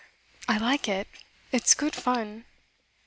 I like it. It's good fun.